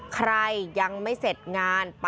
ใครยังไม่เสร็จงาน